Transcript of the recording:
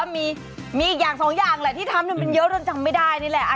มีอีกอย่างสองอย่างแหละที่ทำมันเยอะจนจำไม่ได้นี่แหละ